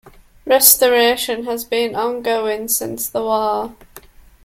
Restoration has been ongoing since the war.